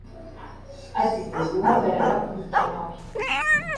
azize guhagarara k’umutima we